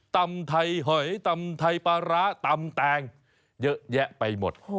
ตำไทยหอยตำไทยปลาร้าตำแตงเยอะแยะไปหมด